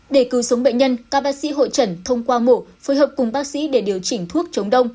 để cứu sống bệnh nhân các bác sĩ hội trần thông qua mổ phối hợp cùng bác sĩ để điều chỉnh thuốc chống đông